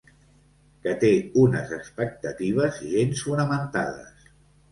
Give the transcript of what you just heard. Que té unes expectatives gens fonamentades.